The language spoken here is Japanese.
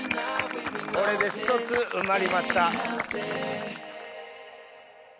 これで１つ埋まりました。